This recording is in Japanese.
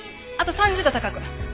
あと３０度高く。